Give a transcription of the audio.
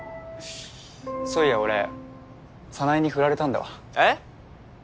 そういや俺早苗に振られたんだわえっ